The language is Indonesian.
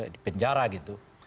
di penjara gitu